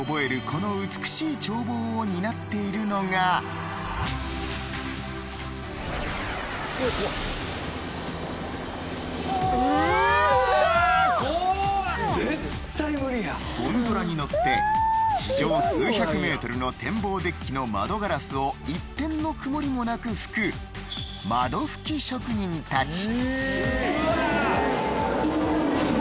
この美しい眺望を担っているのがゴンドラに乗って地上数百メートルの天望デッキの窓ガラスを一点の曇りもなく拭く窓拭き職人たち